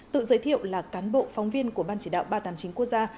tự giới thiệu là cán bộ phóng viên của ban chỉ đạo ba trăm tám mươi chín quốc gia